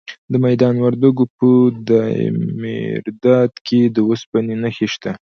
د میدان وردګو په دایمیرداد کې د وسپنې نښې شته.